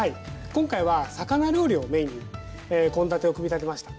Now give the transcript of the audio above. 今回は魚料理をメインに献立を組み立てました。